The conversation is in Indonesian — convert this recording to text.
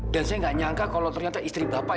dan saya gak nyangka kalau ternyata istri bapak